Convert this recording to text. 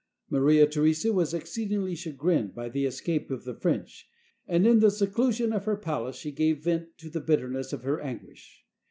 Maria Theresa was exceedingly chagrined by the escape of the French, and in the seclusion of her pal ace she gave vent to the bitterness of her anguish.